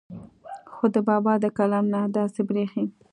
خو د بابا د کلام نه داسې بريښي